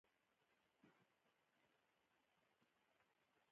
رقیب زما د زغم په ازموینه کې دی